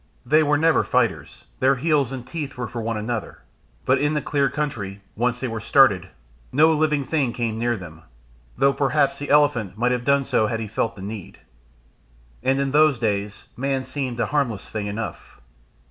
They were never fighters; their heels and teeth were for one another, but in the clear country, once they were started, no living thing came near them, though perhaps the elephant might have done so had he felt the need. And in those days man seemed a harmless thing enough.